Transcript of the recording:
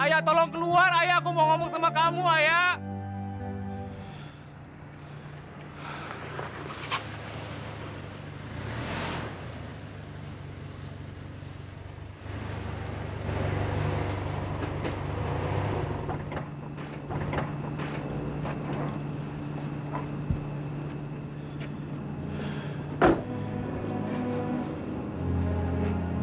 ayah tolong keluar ayah aku mau ngomong sama kamu ayah